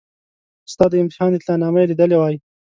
ستا د امتحان اطلاع نامه یې لیدلې وای.